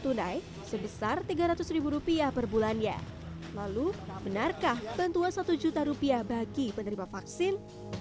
tunai sebesar tiga ratus rupiah per bulannya lalu benarkah bantuan satu juta rupiah bagi penerima vaksin